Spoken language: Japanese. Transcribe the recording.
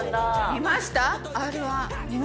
見ました。